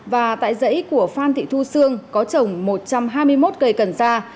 và tại dãy của phan thị thu sương có trồng một trăm hai mươi một cây cần sa